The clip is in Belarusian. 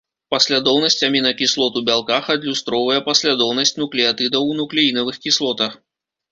Паслядоўнасць амінакіслот у бялках адлюстроўвае паслядоўнасць нуклеатыдаў у нуклеінавых кіслотах.